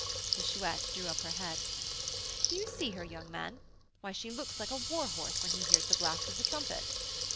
The Chouette drew up her head. "Do you see her, young man? Why, she looks like a war horse when he hears the blast of the trumpet!"